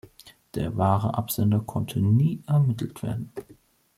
Der wahre Absender konnte nie ermittelt werden.